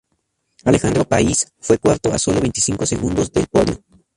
Alejandro Pais fue cuarto a solo veinticinco segundos del podio.